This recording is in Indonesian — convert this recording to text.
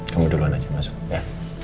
kamu duluan aja masuk ya